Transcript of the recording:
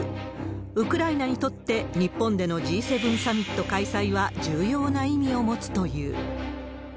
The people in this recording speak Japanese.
ウクライナにとって、日本でのＧ７サミット開催は重要な意味を持つという。